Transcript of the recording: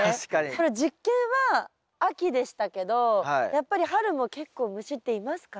これ実験は秋でしたけどやっぱり春も結構虫っていますかね？